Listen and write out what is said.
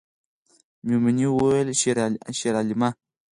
میمونۍ وویل شیرعالمه